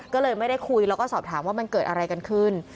ก็เลยไม่ได้คุยแล้วก็สอบถามว่ามันเกิดอะไรกันขึ้น